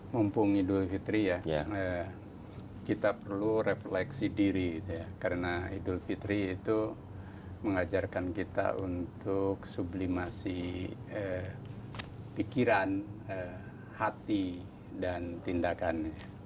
mumpung idul fitri ya kita perlu refleksi diri karena idul fitri itu mengajarkan kita untuk suplimasi pikiran hati dan tindakan